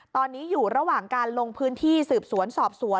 ตอนนี้อยู่ระหว่างการลงพื้นที่สืบสวนสอบสวน